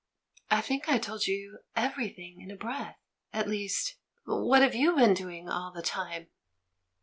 "I think I told you everything in a breath; at least What have you been doing all the time?"